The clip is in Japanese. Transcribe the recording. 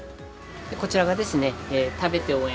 こちらがですね、食べて応援！